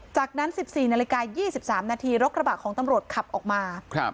จากนั้นสิบสี่นาฬิกายี่สิบสามนาทีรกระบะของตำรวจขับออกมาครับ